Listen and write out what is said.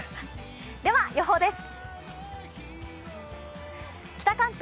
では、予報です。